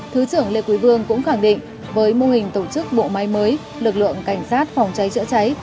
thứ trưởng lê quý vương cũng khẳng định với mô hình tổ chức bộ máy mới lực lượng cảnh sát phòng cháy chữa cháy